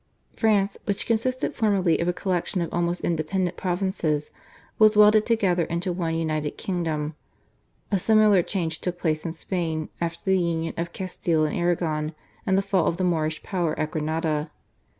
France, which consisted formerly of a collection of almost independent provinces, was welded together into one united kingdom; a similar change took place in Spain after the union of Castile and Aragon and the fall of the Moorish power at Granada.